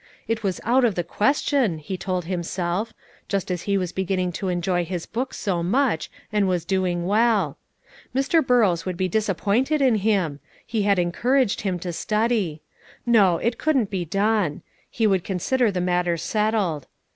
It was out of the question, he told himself, just as he was beginning to enjoy his books so much, and was doing well. Mr. Burrows would be disappointed in him; he had encouraged him to study. No, it couldn't be done. He would consider the matter settled.